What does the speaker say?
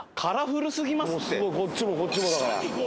こっちもこっちもだから。